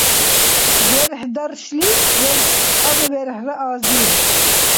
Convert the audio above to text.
верхӀдаршлим верхӀцӀанну верхӀра азир